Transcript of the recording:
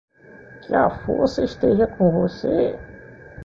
Que a força esteja com você!